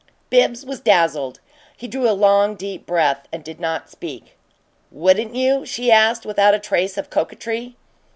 Bibbs was dazzled; he drew a long, deep breath and did not speak. "Wouldn't you?" she asked, without a trace of coquetry.